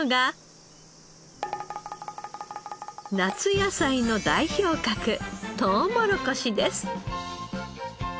夏野菜の代表格とうもろこしです。